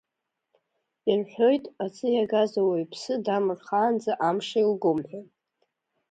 Ирҳәоит, аӡы иагаз ауаҩԥсы дамырхаанӡа амш еилгом ҳәа.